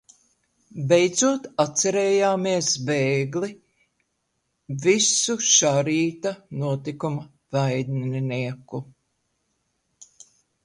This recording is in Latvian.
Beidzot atcerējāmies bēgli visu šā rīta notikuma vaininieku.